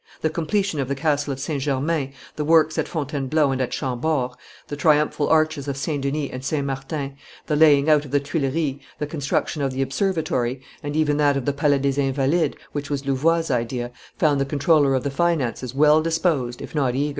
The completion of the castle of St. Germain, the works at Fontainebleau and at Chambord, the triumphal arches of St. Denis and St. Martin, the laying out of the Tuileries, the construction of the Observatory, and even that of the Palais des Invalides, which was Louvois' idea, found the comptroller of the finances well disposed, if not eager.